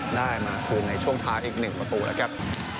ได้มาคืนในช่วงทางอีกหนึ่งประตูแล้วครับ